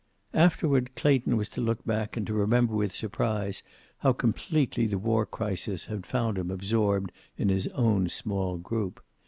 Afterward Clayton was to look back and to remember with surprise how completely the war crisis had found him absorbed in his own small group.